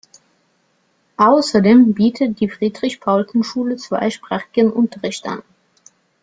Außerdem bietet die Friedrich-Paulsen-Schule zweisprachigen Unterricht an.